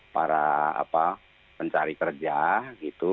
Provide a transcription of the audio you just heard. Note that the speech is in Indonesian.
para pencari kerja gitu